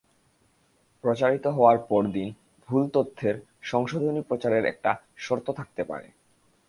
প্রচারিত হওয়ার পরদিন ভুল তথ্যের সংশোধনী প্রচারের একটা শর্ত থাকতে পারে।